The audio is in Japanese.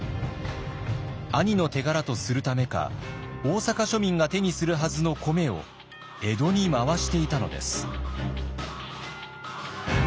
兄の手柄とするためか大坂庶民が手にするはずの米を江戸に回していたのです。